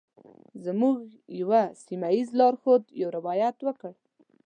زموږ یوه سیمه ایز لارښود یو روایت وکړ.